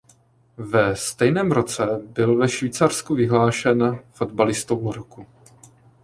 Ve stejném roce byl ve Švýcarsku vyhlášen fotbalistou roku.